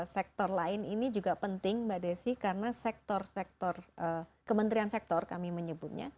sektor lain ini juga penting mbak desi karena sektor sektor kementerian sektor kami menyebutnya